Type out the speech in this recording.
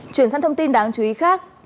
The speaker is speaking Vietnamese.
chuyển sang thông tin đáng chú ý khác